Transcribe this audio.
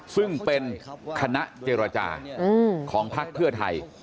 ซึ่งเป็นคณะเจรจาของพักเพื่อไทย